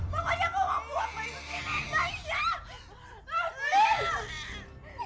mau dia mau buang bayi itu siniin bayinya